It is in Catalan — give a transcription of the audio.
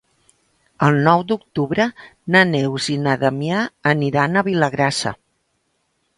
El nou d'octubre na Neus i na Damià aniran a Vilagrassa.